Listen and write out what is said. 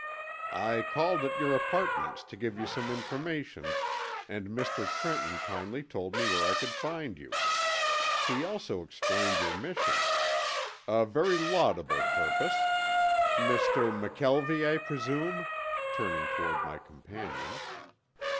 "I called at your apartments to give you some information, and Mr. Trenton kindly told me where I could find you. He also explained your mission. A very laudable purpose. Mr. McKelvie, I presume?" turning toward my companion.